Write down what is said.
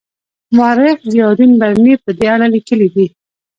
مورخ ضیاالدین برني په دې اړه لیکلي دي.